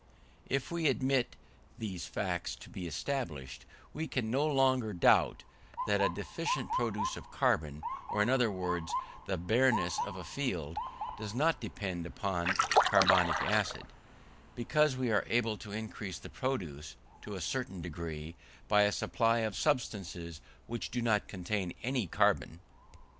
If we admit these facts to be established, we can no longer doubt that a deficient produce of carbon, or in other words, the barrenness of a field does not depend upon carbonic acid, because we are able to increase the produce, to a certain degree, by a supply of substances which do not contain any carbon.